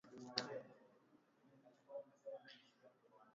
Tuna pashwa ku saidiana sisi wote